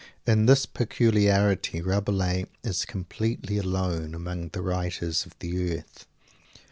In this peculiarity Rabelais is completely alone among the writers of the earth.